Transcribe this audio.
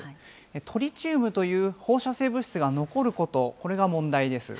トリチウムという放射性物質が残ること、これが問題です。